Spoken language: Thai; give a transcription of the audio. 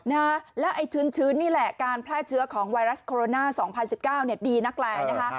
นะแล้วไอ้ชื้นนี่แหละการแพร่เชื้อของไวรัสโคโรนา๒๐๑๙เนี่ยดีนักแลนะคะ